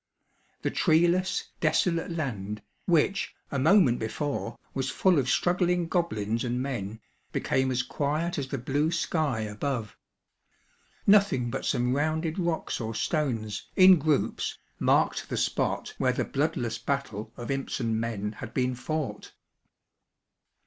The treeless, desolate land, which, a moment before, was full of struggling goblins and men, became as quiet as the blue sky above. Nothing but some rounded rocks or stones, in groups, marked the spot where the bloodless battle of imps and men had been fought.